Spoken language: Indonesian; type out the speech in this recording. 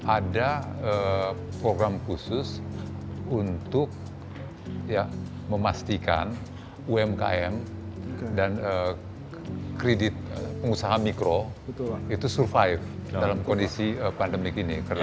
ada program khusus untuk memastikan umkm dan kredit pengusaha mikro itu survive dalam kondisi pandemik ini